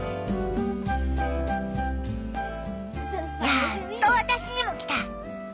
やっと私にもきた！